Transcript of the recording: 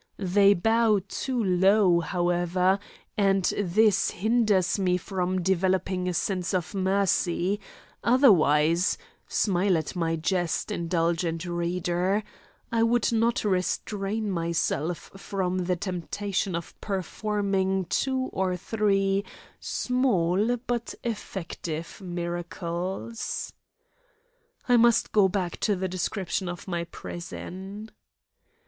They bow too low, however, and this hinders me from developing a sense of mercy, otherwise smile at my jest, indulgent reader I would not restrain myself from the temptation of performing two or three small, but effective miracles. I must go back to the description of my prison.